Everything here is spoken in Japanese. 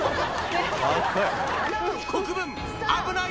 国分危ない！